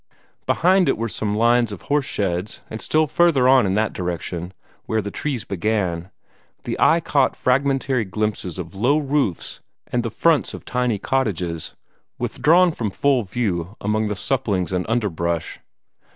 Behind it were some lines of horse sheds, and still further on in that direction, where the trees began, the eye caught fragmentary glimpses of low roofs and the fronts of tiny cottages, withdrawn from full view among the saplings and underbrush.